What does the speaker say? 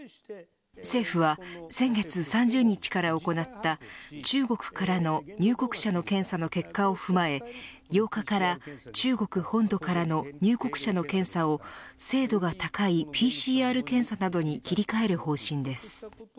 政府は、先月３０日から行った中国からの入国者の検査の結果を踏まえ８日から中国本土からの入国者の検査を精度が高いＰＣＲ検査などに切り替える方針です。